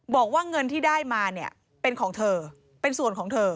บอกว่าเงินที่ได้มาเนี่ยเป็นของเธอเป็นส่วนของเธอ